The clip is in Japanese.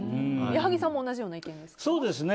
矢作さんも同じような意見ですか？